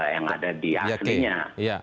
yang ada di aslinya